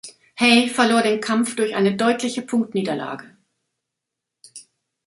Haye verlor den Kampf durch eine deutliche Punktniederlage.